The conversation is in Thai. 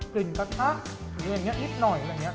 กลิ่นกระชักนิดหน่อยผมครับ